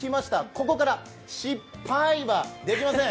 ここから失パイはできません。